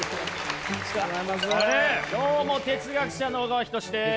どうも哲学者の小川仁志です。